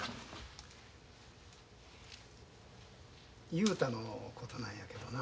雄太のことなんやけどな。